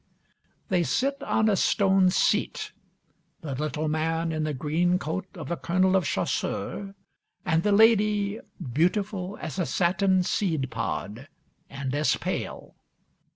They sit on a stone seat. The little man in the green coat of a Colonel of Chasseurs, and the lady, beautiful as a satin seed pod, and as pale.